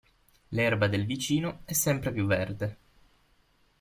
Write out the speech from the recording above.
L'erba del vicino è sempre più verde.